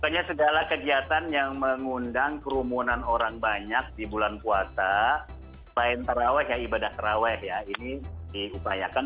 pokoknya segala kegiatan yang mengundang kerumunan orang banyak di bulan puasa selain taraweh ya ibadah terawih ya ini diupayakan